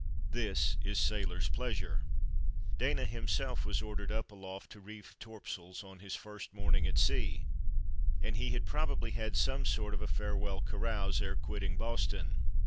This is sailors' pleasure." Dana himself was ordered up aloft, to reef "torpsles," on his first morning at sea; and he had probably had some sort of a farewell carouse, 'ere quitting Boston.